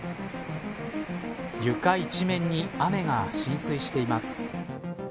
床一面に雨が浸水しています。